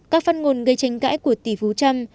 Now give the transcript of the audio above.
các phát ngôn gây tranh cãi của tỷ phú trump